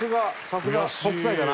さすが北斎だな。